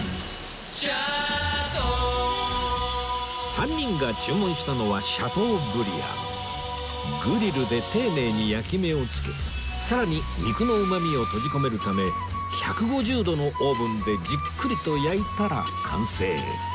３人が注文したのはグリルで丁寧に焼き目をつけさらに肉のうまみを閉じ込めるため１５０度のオーブンでじっくりと焼いたら完成